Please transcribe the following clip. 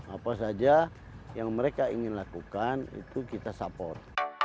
apa saja yang mereka ingin lakukan itu kita support